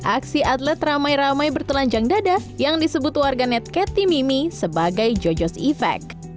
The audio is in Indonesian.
aksi atlet ramai ramai bertelanjang dada yang disebut warganet cathy mimi sebagai jojo's effect